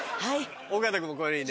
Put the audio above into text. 尾形君これいいね。